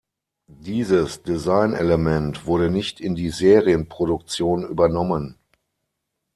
Dieses Designelement wurde nicht in die Serienproduktion übernommen.